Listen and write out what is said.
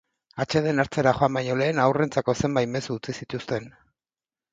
Atseden hartzera joan baino lehen, haurrentzako zenbait mezu utzi zituzten.